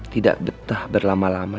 tidak betah berlama lama